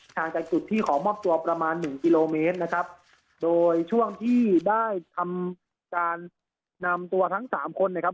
จากจุดที่ขอมอบตัวประมาณหนึ่งกิโลเมตรนะครับโดยช่วงที่ได้ทำการนำตัวทั้งสามคนนะครับ